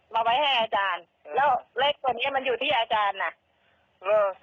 แล้วเลขตัวนี้มันอยู่ที่อาจารย์นะ